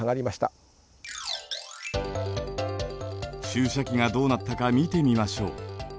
注射器がどうなったか見てみましょう。